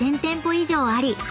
以上あり